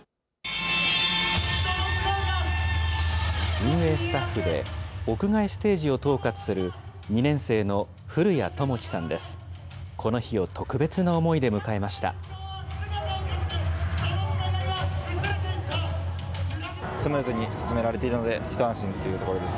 運営スタッフで、屋外ステージを統括する２年生の古屋智紀さんです。